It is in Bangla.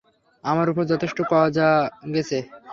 আমার উপর যথেষ্ট কজা গেছে।